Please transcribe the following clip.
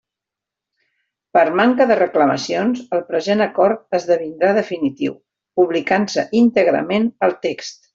Per manca de reclamacions el present acord esdevindrà definitiu, publicant-se íntegrament el text.